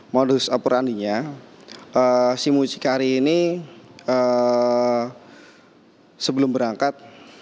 modus operandinya si mucikari ini sebelum berangkat